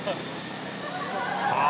さあ